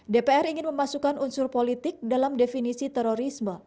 dpr ingin memasukkan unsur politik dalam definisi terorisme